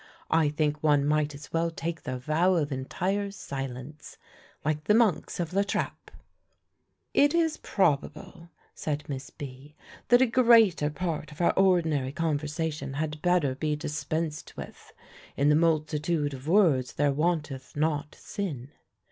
I think one might as well take the vow of entire silence, like the monks of La Trappe." "It is probable," said Miss B., "that a greater part of our ordinary conversation had better be dispensed with. 'In the multitude of words there wanteth not sin.'